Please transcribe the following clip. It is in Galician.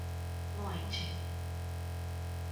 Moeche.